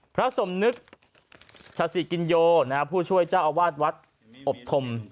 พระสมนึกชาศิกินโยผู้ช่วยเจ้าอาวาสวัดอบธม